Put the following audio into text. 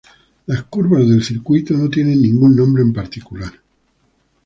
Las curvas del circuito no tienen ningún nombre en particular.